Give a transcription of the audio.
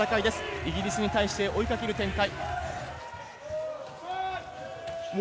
イギリスに対して追いかける展開。